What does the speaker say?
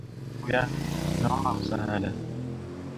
Ndugu yangu, naomba msaada.